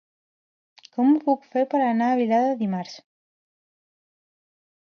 Com ho puc fer per anar a Vilada dimarts?